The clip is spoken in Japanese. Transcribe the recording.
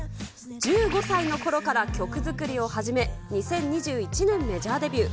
１５歳のころから曲作りを始め、２０２１年、メジャーデビュー。